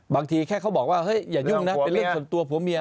แค่เขาบอกว่าเฮ้ยอย่ายุ่งนะเป็นเรื่องส่วนตัวผัวเมีย